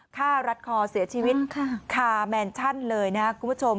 รัดคอเสียชีวิตคาแมนชั่นเลยนะครับคุณผู้ชม